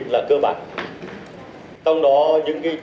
và các vấn đề khác